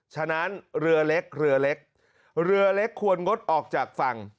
ฉะนั้นเรือเล็กเรือเล็กเรือเล็กควรงดออกจากฝั่ง